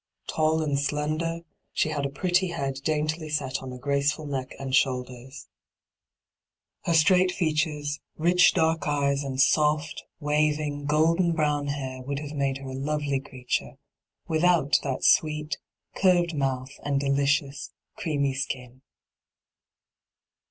Tall and slender, she had a pretty head daintily • set on a graceful neck and shoulders. Her nyt,, 6^hyG00glc ENTRAPPED 7 straight featui^s, rich dark eyea, and soil, waving, golden brown hair would have made her a lovely creature without that sweet, curved mouth and delicious, creamy skin.